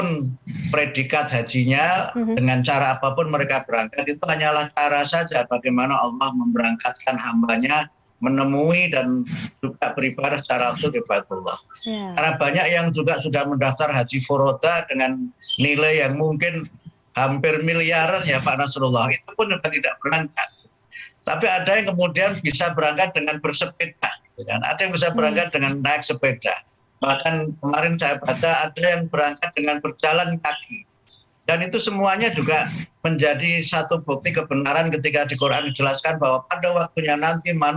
nah cukup panas ya